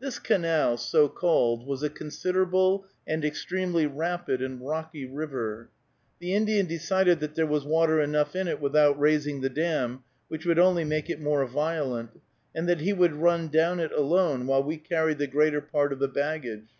This canal, so called, was a considerable and extremely rapid and rocky river. The Indian decided that there was water enough in it without raising the dam, which would only make it more violent, and that he would run down it alone, while we carried the greater part of the baggage.